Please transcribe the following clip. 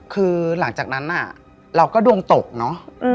คือหลังจากนั้นเราก็ดวงตกเนอะ